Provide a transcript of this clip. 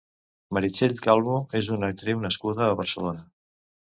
Meritxell Calvo és una actriu nascuda a Barcelona.